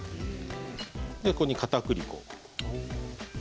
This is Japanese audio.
ここに、かたくり粉。